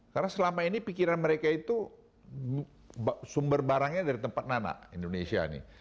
karena selama ini pikiran mereka itu sumber barangnya dari tempat nanak indonesia ini